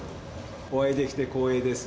お会いできて光栄です。